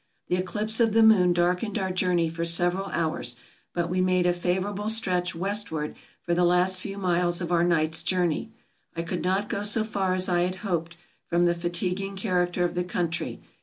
The eclipse of the moon darkened our journey for several hours, but we made a favorable stretch westward for the last few miles of our night's journey. I could not go so far as I had hoped, from the fatiguing character of the country.